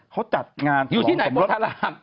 เขาจัดงานอยู่ที่ไหนโพธาราม